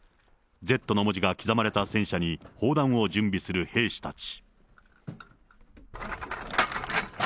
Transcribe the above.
Ｚの文字が刻まれた戦車に、砲弾を準備する兵士たち。